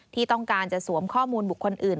ที่ต้องการจะสวมข้อมูลบุคคลอื่น